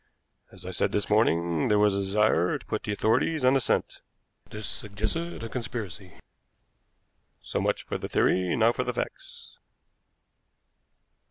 As I said this morning, there was a desire to put the authorities on the scent. This suggested a conspiracy. So much for theory, now for facts."